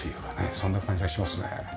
そんな感じがしますね。